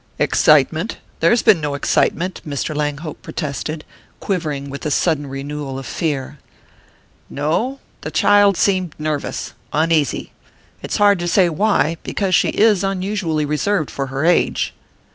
"Excitement? There has been no excitement," Mr. Langhope protested, quivering with the sudden renewal of fear. "No? The child seemed nervous, uneasy. It's hard to say why, because she is unusually reserved for her age."